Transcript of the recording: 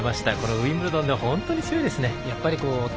ウィンブルドンで本当に強いですね。